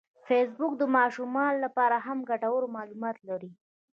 فېسبوک د ماشومانو لپاره هم ګټور معلومات لري